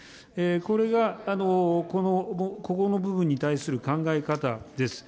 これがここの部分に対する考え方です。